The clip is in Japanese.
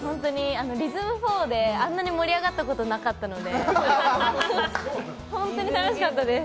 リズム４であんなに盛り上がったことなかったので、ホントに楽しかったです。